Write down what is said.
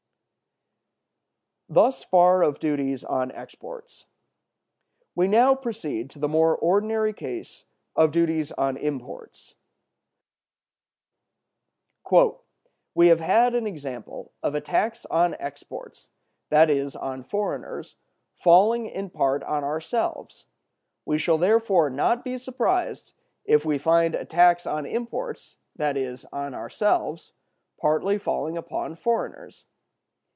Thus far of duties on exports. We now proceed to the more ordinary case of duties on imports: "We have had an example of a tax on exports, that is, on foreigners, falling in part on ourselves. We shall therefore not be surprised if we find a tax on imports, that is, on ourselves, partly falling upon foreigners.